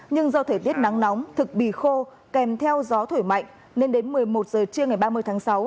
nhưng do thể tiết nắng nóng thực bì khô kèm theo gió thổi mạnh nên đến một mươi một h chiều ngày ba mươi tháng sáu